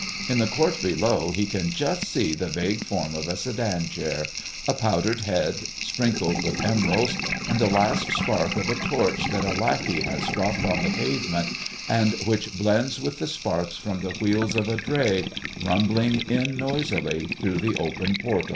In the court below he can just see the vague form of a sedan chair, a powdered head sprinkled with emeralds, and the last spark of a torch that a lackey has dropped on the pavement, and which blends with the sparks from the wheels of a dray, rumbling in noisily through the open portals.